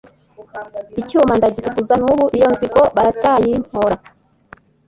Icyuma ndagitukuza n'ubu iyo nzigo baracyayimpora!